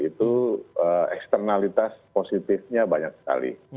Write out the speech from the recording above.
itu eksternalitas positifnya banyak sekali